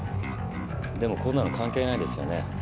でもこんなの関係ないですよね。